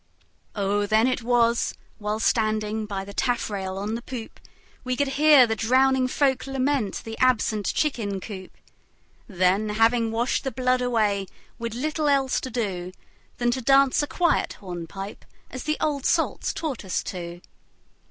O! then it was (while standing by the taffrail on the poop) We could hear the drowning folk lament the absent chicken coop; Then, having washed the blood away, we'd little else to do Than to dance a quiet hornpipe as the old salts taught us to.